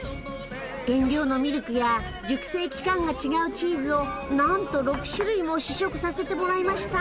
原料のミルクや熟成期間が違うチーズをなんと６種類も試食させてもらいました。